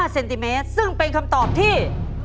เซนติเมตรซึ่งเป็นคำตอบที่